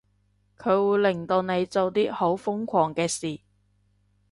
佢會令到你做啲好瘋狂嘅事